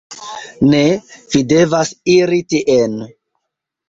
"Ne, vi devas iri tien."